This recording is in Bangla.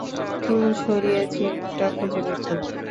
চুল সরিয়ে, চিহ্নটা খুঁজে বের করুন!